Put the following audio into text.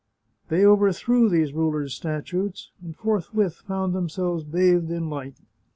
They overthrew these rulers' statues, and forthwith found themselves bathed in light.